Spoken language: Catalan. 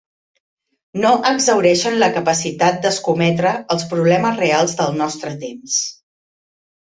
No exhaureixen la capacitat d'escometre els problemes reals del nostre temps.